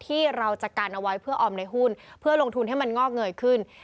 ที่เราจะกันเอาไว้เพื่อออมในหุ้นเพื่อลงทุนให้มันงอกเงยขึ้น